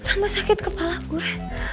tambah sakit kepala gue